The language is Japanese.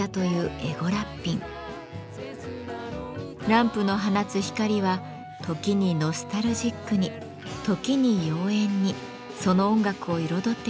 ランプの放つ光は時にノスタルジックに時に妖艶にその音楽を彩ってきました。